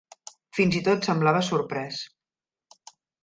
Fins i tot semblava sorprès.